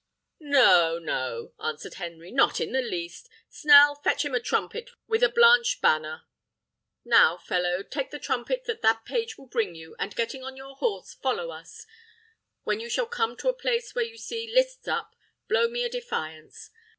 "No, no," answered Henry, "not in the least. Snell, fetch him a trumpet with a blanche banner. Now, fellow, take the trumpet that the page will bring you, and, getting on your horse, follow us. When you shall come to a place where you see lists up, blow me a defiance.